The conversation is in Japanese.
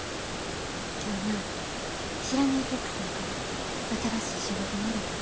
今日な不知火テックさんから新しい仕事もろたで。